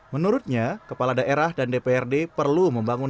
menurutnya kepala daerah dan dprd perlu membangun